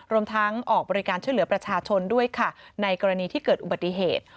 รวมทั้งออกบริการช่วยเหลือประชาชนด้วยค่ะในกรณีที่เกิดอุบัติเหตุ